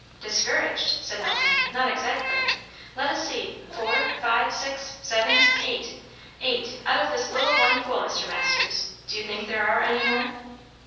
"Discouraged?" said Knowlton. "Not exactly. Let us see. Four, five, six seven eight. Eight, out of this little one pool, Mr. Masters. Do you think there are any more?"